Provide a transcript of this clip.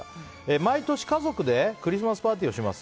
毎年、家族でクリスマスパーティーをします。